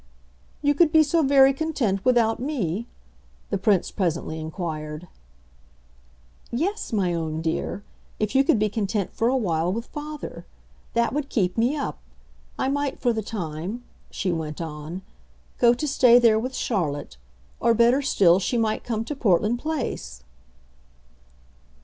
"You could be so very content without me?" the Prince presently inquired. "Yes, my own dear if you could be content for a while with father. That would keep me up. I might, for the time," she went on, "go to stay there with Charlotte; or, better still, she might come to Portland Place."